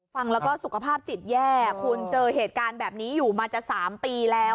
ฟังแล้วก็สุขภาพจิตแย่คุณเจอเหตุการณ์แบบนี้อยู่มาจะ๓ปีแล้ว